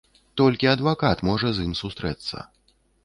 Толькі адвакат можа з ім сустрэцца.